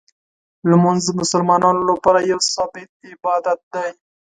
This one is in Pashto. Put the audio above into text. لمونځ د مسلمانانو لپاره یو ثابت عبادت دی.